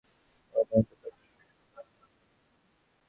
কিন্তু তাতে সরকারের নিয়োগ করা সোনালী ব্যাংকের পর্ষদ সদস্য কারও নাম নেই।